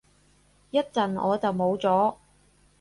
一陣我就冇咗